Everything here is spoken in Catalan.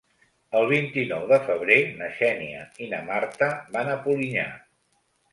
El vint-i-nou de febrer na Xènia i na Marta van a Polinyà.